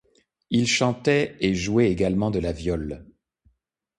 Il chantait et jouait également de la viole.